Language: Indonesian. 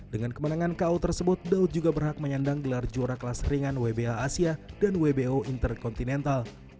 dengan kemenangan ko tersebut daud juga berhak menyandang gelar juara kelas ringan wba asia dan wbo intercontinental